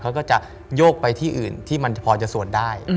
เขาก็จะโยกไปที่อื่นที่มันพอจะสวนได้